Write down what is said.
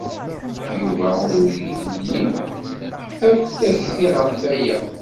Yuba ur ili akk takti ɣef waya.